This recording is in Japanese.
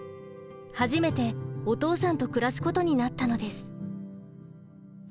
初めてお父さんと暮らすことになったのです。